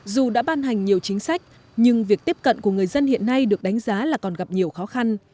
dù đã ban hành nhiều chính sách nhưng việc tiếp cận của người dân hiện nay được đánh giá là còn gặp nhiều khó khăn